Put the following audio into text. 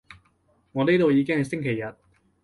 我呢度已經係星期日